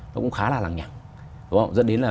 nó cũng khá là làng nhẳng rất đến là